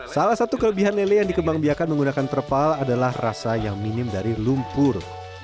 salah satu kelebihan lele yang dikembang biakan menggunakan terpal adalah rasa yang minim dari lumpur